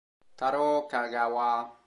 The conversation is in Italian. Tarō Kagawa